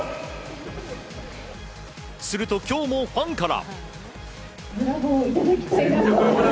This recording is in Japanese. すると、今日もファンから。